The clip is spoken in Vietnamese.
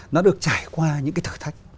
nó được trải qua những cái thử thách